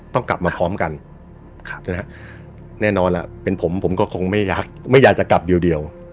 ต้องกลับมาพร้อมกันครับนะฮะแน่นอนล่ะเป็นผมผมก็คงไม่อยากไม่อยากจะกลับเดียวเดียว